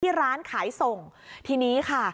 ร้านขายส่งทีนี้ค่ะ